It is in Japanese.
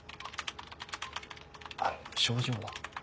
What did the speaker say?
あの症状は？